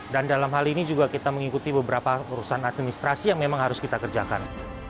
dan dalam hal ini juga kita mengikuti beberapa urusan administrasi yang memang harus kita kerjakan